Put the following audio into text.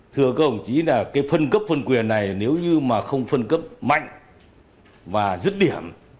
thưa các ông chí là cái phân cấp phân quyền này nếu như mà không phân cấp mạnh và dứt điểm